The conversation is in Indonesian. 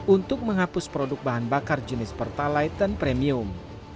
untuk menghapus produk bahan bakar jenis pertalite dan premium